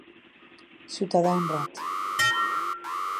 Ciutadà honrat.